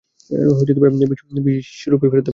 বিশ রূপি ফেরত দে।